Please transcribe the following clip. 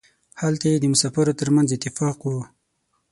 هلته یې د مسافرو ترمنځ اتفاق و.